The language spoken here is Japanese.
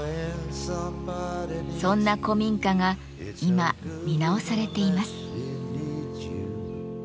そんな古民家が今見直されています。